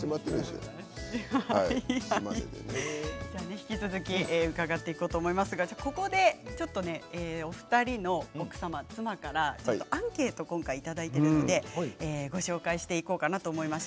引き続き伺っていこうと思いますが、ここでお二人の奥様妻からアンケートを今回いただいているのでご紹介していこうと思います。